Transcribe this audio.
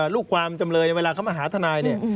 ลูกความจำเลยในเวลาเขามาหาทนายเนี่ย